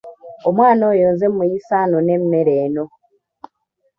Omwana oyo nze muyise anone emmere eno.